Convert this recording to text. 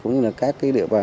cũng như là các cái địa bàn